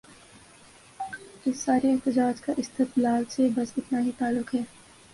اس سارے احتجاج کا استدلال سے بس اتنا ہی تعلق ہے۔